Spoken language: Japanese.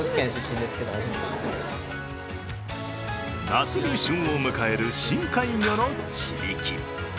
夏に旬を迎える深海魚のちびき。